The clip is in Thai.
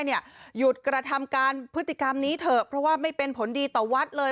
หยุดกระทำการพฤติกรรมนี้เถอะเพราะว่าไม่เป็นผลดีต่อวัดเลย